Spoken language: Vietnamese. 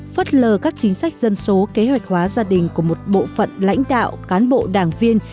phất lờ các chính sách dân số kế hoạch hóa gia đình của một bộ phận lãnh đạo cán bộ đảng viên